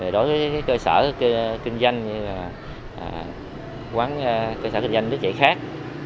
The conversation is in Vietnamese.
đối với cơ sở kinh doanh quán cơ sở kinh doanh nước dạy khác